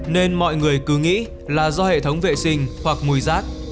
nên mọi người cứ nghĩ là do hệ thống vệ sinh hoặc mùi rác